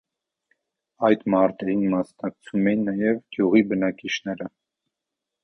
Այդ մարտերին մասնակցում էին նաև գյուղի բնակիչները։